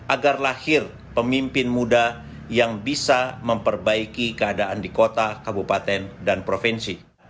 agar lahir pemimpin muda yang bisa memperbaiki keadaan di kota kabupaten dan provinsi